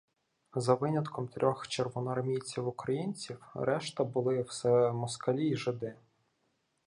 За винятком трьох червоноармійців-українців решта були все москалі й жиди.